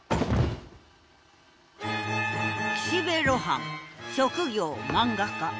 岸辺露伴職業漫画家。